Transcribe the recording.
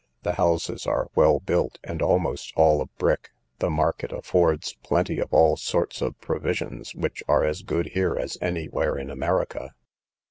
The houses are well built, and almost all of brick. The market affords plenty of all sorts of provisions, which are as good here as any where in America.